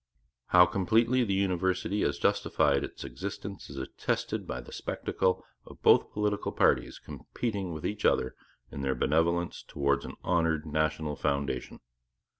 How completely the university has justified its existence is attested by the spectacle of both political parties competing with each other in their benevolence towards an honoured, national foundation.